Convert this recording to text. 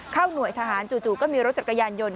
หน่วยทหารจู่ก็มีรถจักรยานยนต